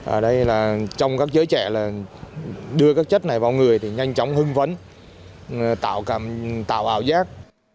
ở đây là trong các giới trẻ là đưa các chất này vào người thì nhanh chóng hưng vấn tạo ảo giác